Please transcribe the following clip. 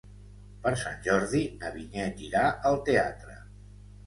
Per Sant Jordi na Vinyet irà al teatre.